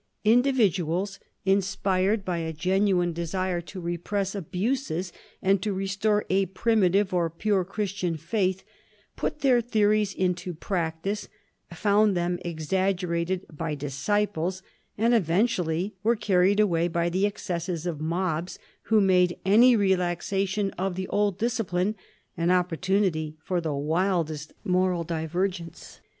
Indi vi PHILIP AND THE PAPACY 181 viduals, inspired by a genuine desire to repress abuses and to restore a "primitive" or "pure" Christian faith, put their theories into practice, found them exaggerated by disciples, and eventually were carried away by the excesses of mobs who made any relaxation of the old discipline an opportunity for the wildest moral diver gence.